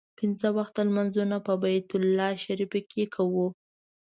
پنځه وخته لمونځونه په بیت الله شریف کې کوو.